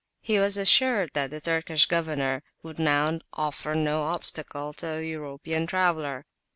He was assured that the Turkish governor would now offer no obstacle to a European traveller.